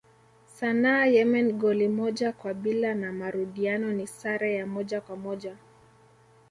Sanaa Yemen goli moja kwa bila na marudiano ni sare ya moja kwa moja